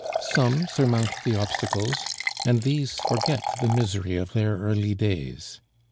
Some surmount the obstacles, and these forget the misery of their early days.